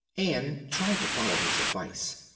Ann tried to follow his advice.